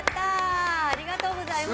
ありがとうございます！